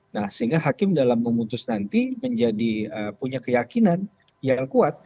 nah sehingga hakim dalam memutus nanti menjadi punya keyakinan yang kuat